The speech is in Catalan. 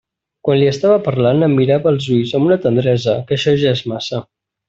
Quan li estava parlant em mirava als ulls amb una tendresa que això ja és massa.